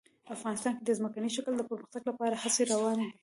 افغانستان کې د ځمکني شکل د پرمختګ لپاره هڅې روانې دي.